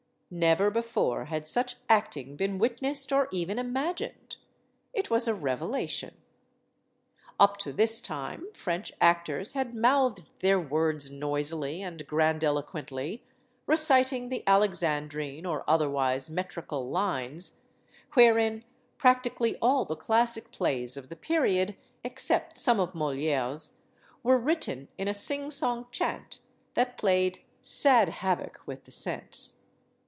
Never before had such acting been witnessed or even imagined. It was a revelation. Up to this time French actors had mouthed their words noisily and grandiloquently, reciting the Alexandrine or otherwise metrical lines wherein practically all the classic plays of the period, except some of Moliere's, were written in a singsong chant that played sad havoc with the sense.